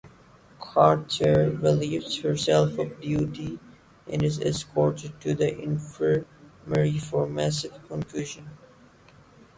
Carter relieves herself of duty and is escorted to the infirmary for massive concussion.